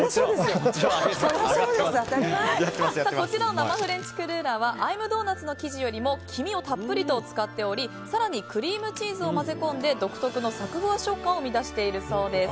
生フレンチクルーラーはアイムドーナツの生地よりも卵黄をたっぷりと使っており更にクリームチーズを混ぜ込んで独特のサクふわ食感を生み出しているそうです。